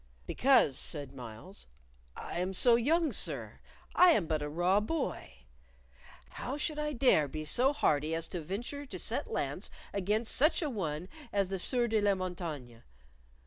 "Because," said Myles, "I am so young, sir; I am but a raw boy. How should I dare be so hardy as to venture to set lance against such an one as the Sieur de la Montaigne?